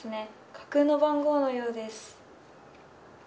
架空の番号のようです。